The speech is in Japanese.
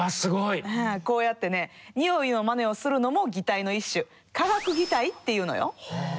こうやってね匂いのマネをするのも擬態の一種「化学擬態」っていうのよ。